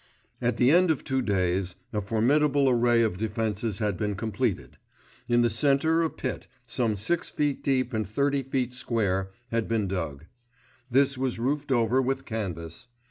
At the end of two days, a formidable array of defences had been completed. In the centre a pit, some six feet deep and thirty feet square, had been dug. This was roofed over with canvas.